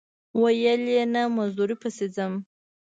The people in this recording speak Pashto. ویل یې نه مزدورۍ پسې ځم.